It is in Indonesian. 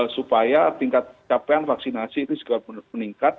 supaya tingkat capaian vaksinasi itu juga meningkat